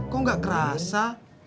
kok gak kerasa